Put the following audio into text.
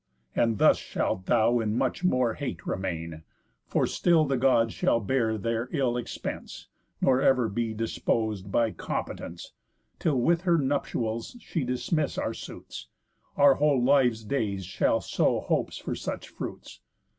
And thus shalt thou in much more hate remain; For still the Gods shall bear their ill expense, Nor ever be dispos'd by competence, Till with her nuptials she dismiss our suits, Our whole lives' days shall sow hopes for such fruits.